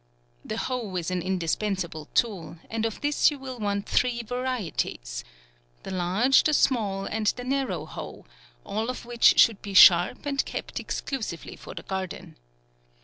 The hoe is an indispensable tool, and of this you will want three varieties. The large, the small, and the narrow hoe ; all of which should be sharp, and kept exclusively for the gar den.